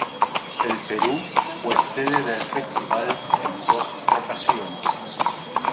El Perú fue sede del Festival en dos ocasiones.